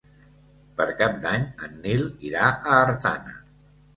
Per Cap d'Any en Nil irà a Artana.